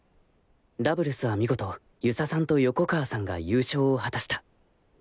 ダブルスは見事遊佐さんと横川さんが優勝を果たした